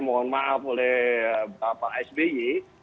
mohon maaf oleh bapak sby